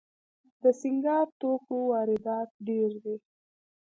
د سینګار توکو واردات ډیر دي